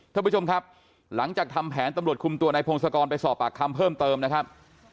ท่านผู้ชมครับหลังจากทำแผนตำรวจคุมตัวนายพงศกรไปสอบปากคำเพิ่มเติมนะครับ